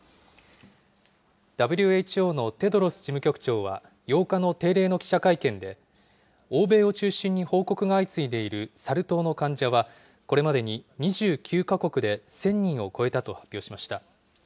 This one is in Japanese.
ＷＨＯのテドロス事務局長は８日の定例の記者会見で、欧米を中心に報告が相次いでいるサル痘の患者は、これまでに２９か国で１０００人を超えたと発表しました。